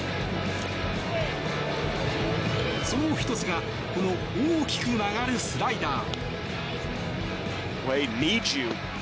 その１つがこの大きく曲がるスライダー。